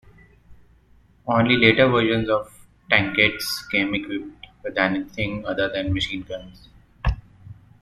Only later versions of the tankettes came equipped with anything other than machine guns.